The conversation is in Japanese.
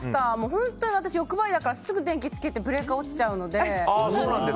本当私欲張りだからすぐ電気つけてブレーカーが落ちちゃうので。